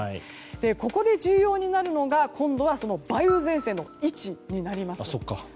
ここで重要になるのが今度は梅雨前線の位置になります。